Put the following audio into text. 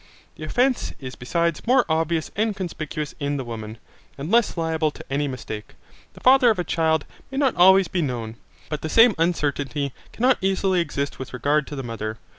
The offence is besides more obvious and conspicuous in the woman, and less liable to any mistake. The father of a child may not always be known, but the same uncertainty cannot easily exist with regard to the mother.